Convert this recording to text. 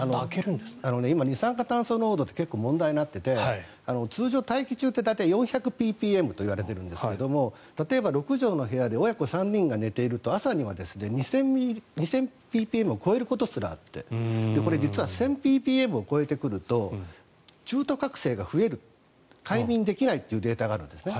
今、二酸化炭素濃度って結構問題になっていて通常、大気中って大体４００ｐｐｍといわれているんですが例えば６畳の部屋で親子３人が寝ていると朝には２０００ｐｐｍを超えることすらあって実は１０００ｐｐｍを超えると中途覚醒が増える快眠できないというデータがあるんですね。